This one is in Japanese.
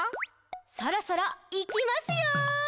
「そろそろ、いきますよ！」